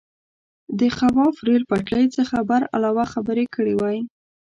د خواف ریل پټلۍ څخه برعلاوه خبرې کړې وای.